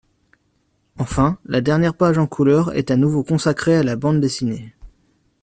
Enfin, la dernière page en couleur est à nouveau consacrée à la bande dessinée.